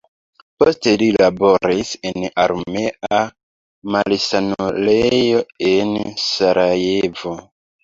Poste li laboris en armea malsanulejo en Sarajevo.